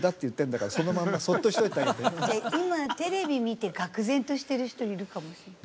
今テレビ見てがく然としている人いるかもしれない。